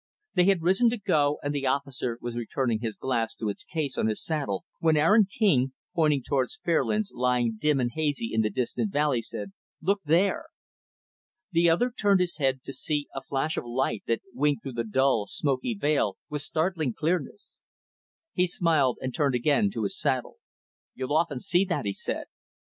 They had risen to go and the officer was returning his glass to its case on his saddle, when Aaron King pointing toward Fairlands, lying dim and hazy in the distant valley said, "Look there!" The other turned his head to see a flash of light that winked through the dull, smoky veil, with startling clearness. He smiled and turned again to his saddle. "You'll often see that," he said.